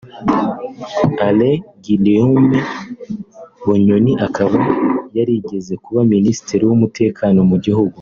Alain Guillaume Bunyoni akaba yarigeze kuba Minisitiri w’Umutekano mu gihugu